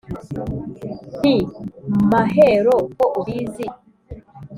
nti: mahero ko ubizi